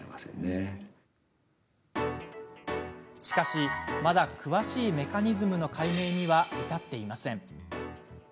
しかし、まだ詳しいメカニズムの解明には至っていません。